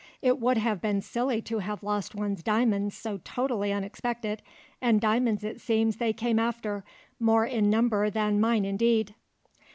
It would have been silly to have lost one's diamonds so totally unexpected, and diamonds it seems they came after, more in number than mine indeed."